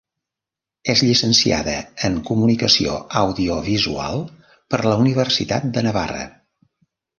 És llicenciada en comunicació audiovisual per la Universitat de Navarra.